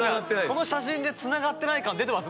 この写真でつながってない感出てます